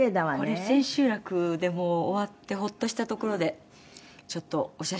これ千秋楽でもう終わってホッとしたところでちょっとお写真を撮って頂いて。